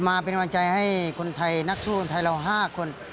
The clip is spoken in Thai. มาเป็นกำลังใจให้คนไทยนักสู้คนไทยเรา๕คน